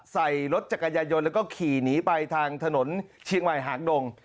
ใส่รถจักรยายนแล้วก็ขี่หนีไปทางถนนเชียงใหม่หางดง